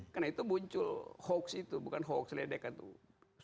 karena itu muncul hoax itu bukan hoax ledekan tuh